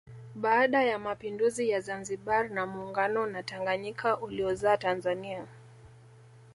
Baada ya mapinduzi ya Zanzibar na muungano na Tanganyika uliozaa Tanzania